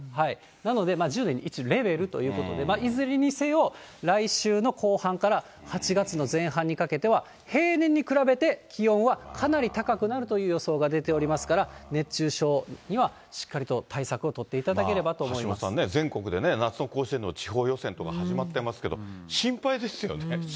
なので、１０年に一度レベルということで、いずれにせよ来週の後半から８月の前半にかけては、平年に比べて気温はかなり高くなるという予想が出ておりますから、熱中症にはしっかりと対策を取っ橋下さんね、全国でね、夏の甲子園の地方予選とか始まってますけど、心配ですよね。